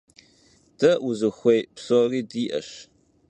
De vuzıxuêy psori di'eş.